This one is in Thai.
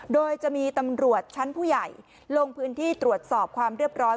โดยจะมีตำรวจชั้นผู้ใหญ่ลงพื้นที่ตรวจสอบความเรียบร้อย